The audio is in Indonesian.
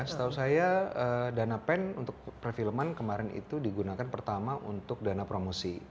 setahu saya dana pen untuk perfilman kemarin itu digunakan pertama untuk dana promosi